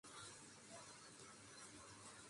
ভোরবেলাকার চালানের জন্য ফুল কাটতে দেখেছি।